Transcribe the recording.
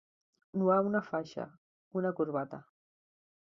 Nuar una faixa, una corbata.